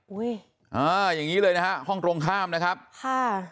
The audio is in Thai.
อุ้ยอ่าอย่างงี้เลยนะฮะห้องตรงข้ามนะครับค่ะ